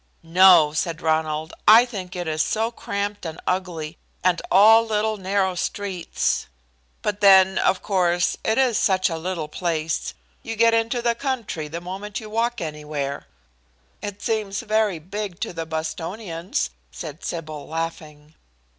"No," said Ronald. "I think it is so cramped and ugly, and all little narrow streets. But then, of course, it is such a little place. You get into the country the moment you walk anywhere." "It seems very big to the Bostonians," said Sybil, laughing.